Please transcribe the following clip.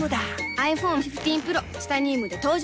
ｉＰｈｏｎｅ１５Ｐｒｏ チタニウムで登場